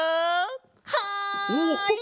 はい！